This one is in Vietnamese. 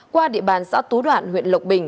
qua địa bàn xã tú đoạn huyện lộc bình